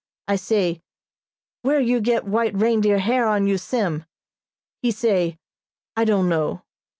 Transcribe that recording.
I say, 'Where you get white reindeer hair on you, Sim?' He say, 'I don't know.'